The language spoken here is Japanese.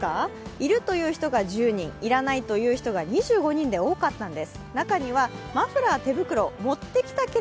いるという人が１０人いらないという人が２５人で多かったんです。